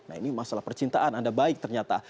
nah ini masalah percintaan anda baik ternyata